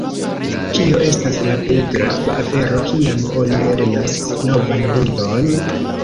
Kio estas la plej grava afero kiam oni lernas novan lingvon?